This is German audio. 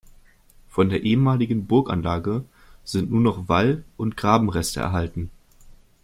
Von der ehemaligen Burganlage sind nur noch Wall- und Grabenreste erhalten.